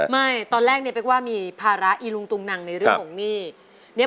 ไม่ตอนแรกเนี่ยเป๊กว่ามีภาระอีลุงตุงนังในเรื่องของหนี้